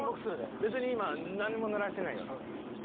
別に今何もぬらしてないよな。